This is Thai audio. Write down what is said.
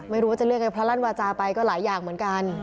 ไม่รู้ว่าจะเลือกไงพระลั่นวาจาไปก็หลายอย่างเหมือนกัน